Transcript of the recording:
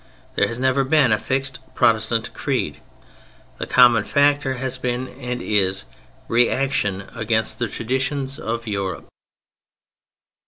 There has never been a fixed Protestant creed. The common factor has been, and is, reaction against the traditions of Europe.